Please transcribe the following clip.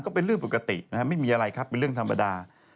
ก็เป็นเรื่องปกตินะครับไม่มีอะไรครับเป็นเรื่องธรรมดา